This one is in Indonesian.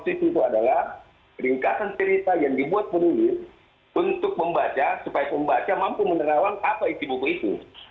itu adalah peringkatan cerita yang dibuat penulis untuk membaca supaya pembaca mampu menerawang apa isi buku itu